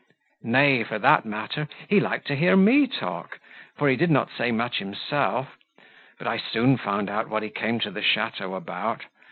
Nay, for that matter, he liked to hear me talk, for he did not say much himself. But I soon found out what he came to the château about.